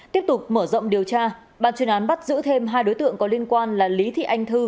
tiếp tục mở rộng điều tra ban chuyên án bắt giữ thêm hai đối tượng có liên quan là lý thị anh thư